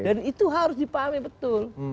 dan itu harus dipahami betul